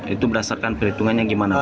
itu berdasarkan perhitungannya gimana